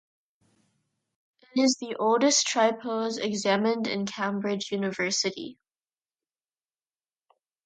It is the oldest Tripos examined in Cambridge University.